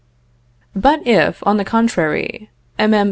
But if, on the contrary, MM.